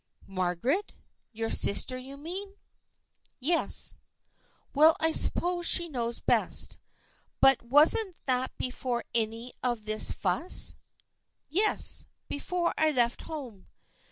" Margaret ? Your sister, you mean ?"" Yes." " Well, I suppose she knows best. But wasn't that before any of this fuss ?"" Yes. Before I left home."